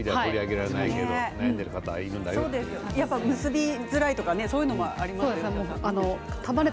結びづらいとかそういうのありますかね。